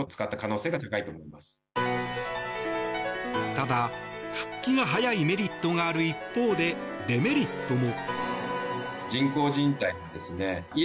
ただ、復帰が早いメリットがある一方で、デメリットも。